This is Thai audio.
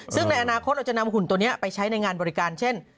ซึ่งในอนาคตเราจะนำหุ่นตัวนี้ไปใช้ในงานบริการเช่น